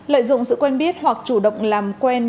lợi dụng sự quen biết hoặc chủ động làm quen